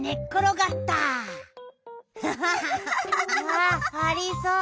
あありそう。